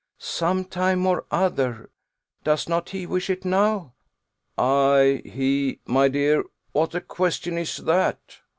"Some time or other! Does not he wish it now?" "I he my dear, what a question is that?